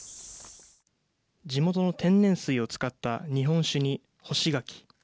地元の天然水を使った日本酒に干し柿。